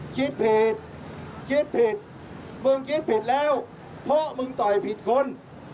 คิดผิดคิดผิดมึงคิดผิดแล้วเพราะมึงต่อยผิดคน